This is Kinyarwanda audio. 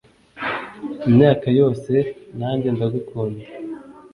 imyaka yose nanjye ndagukunda